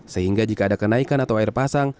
sehingga jika ada kenaikan atau air pasang